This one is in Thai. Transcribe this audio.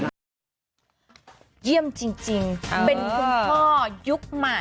เยี่ยมจริงเป็นคุณพ่อยุคใหม่